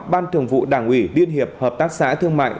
ban thường vụ đảng ủy liên hiệp hợp tác xã thương mại